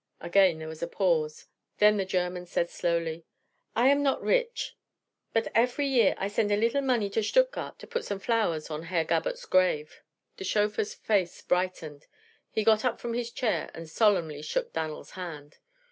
Again there was a pause. Then the German said slowly: "I am nod rich; but efery year I send a leetle money to Stuttgart to put some flowers on Herr Gabert's grave." The chauffeur's face brightened. He got up from his chair and solemnly shook Dan'l's hand.